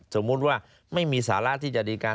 สมมุติว่าไม่มีสาระที่จะดีการ